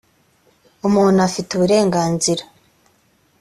umuntu afite uburenganzira